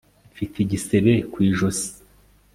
Mfite igisebe ku ijosi